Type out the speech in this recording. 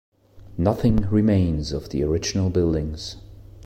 Nothing remains of the original buildings.